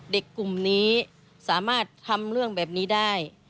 เด็กกลุ่มนี้สามารถทำเรื่องแบบนี้ได้